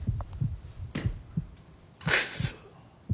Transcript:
クソ。